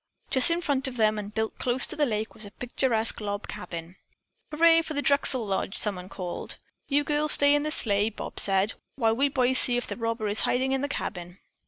Just in front of them and built close to the lake was a picturesque log cabin. "Hurray for the Drexel Lodge!" someone called. "You girls stay in the sleigh," Bob said, "while we boys see if the robber is hiding in the cabin."